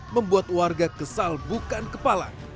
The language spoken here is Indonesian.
membuat warga kesal bukan kepala